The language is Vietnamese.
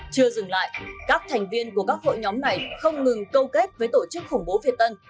chưa dừng lại các thành viên của các hội nhóm này không ngừng câu kết với tổ chức khủng bố việt tân